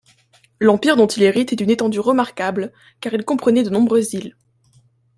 L'empire dont il hérite est d'une étendue remarquable, car il comprenait de nombreuses îles.